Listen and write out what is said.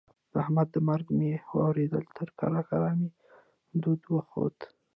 د احمد د مرګ مې واورېدل؛ تر ککرۍ مې دود وخوت.